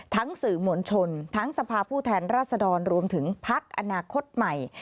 สื่อมวลชนทั้งสภาพผู้แทนรัศดรรวมถึงพักอนาคตใหม่